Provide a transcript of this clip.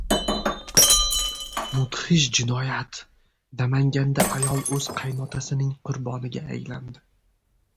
Mudhish jinoyat! Namanganda ayol o‘z qaynotasining qurboniga aylandi